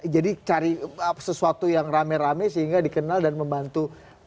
jadi cari sesuatu yang rame rame sehingga dikenal dan membantu